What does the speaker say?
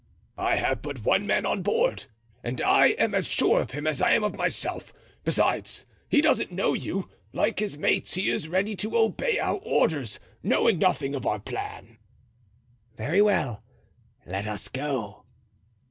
"I have but one man on board, and I am as sure of him as I am of myself. Besides, he doesn't know you; like his mates he is ready to obey our orders knowing nothing of our plan." "Very well; let us go."